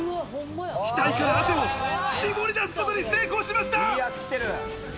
額から汗を絞り出すことに成功しました。